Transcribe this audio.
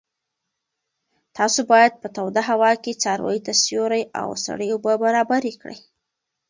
تاسو باید په توده هوا کې څارویو ته سیوری او سړې اوبه برابرې کړئ.